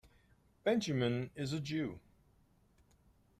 Benjamin is a Jew.